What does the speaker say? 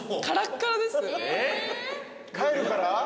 カラッカラです。